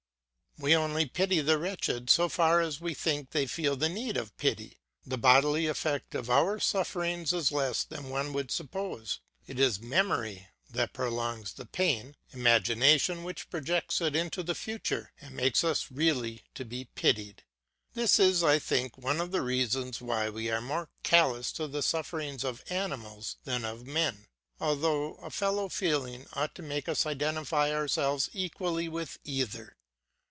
We only pity the wretched so far as we think they feel the need of pity. The bodily effect of our sufferings is less than one would suppose; it is memory that prolongs the pain, imagination which projects it into the future, and makes us really to be pitied. This is, I think, one of the reasons why we are more callous to the sufferings of animals than of men, although a fellow feeling ought to make us identify ourselves equally with either.